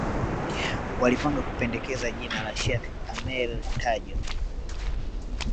Walipanga kupendekeza jina la Sheikh Ameir Tajo